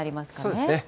そうですね。